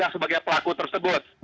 sebagai pelaku tersebut